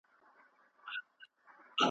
څېړنه باید له درواغو او ریا څخه پاکه وي.